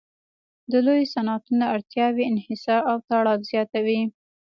د لویو صنعتونو اړتیاوې انحصار او تړاو زیاتوي